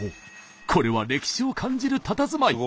これは歴史を感じるたたずまい。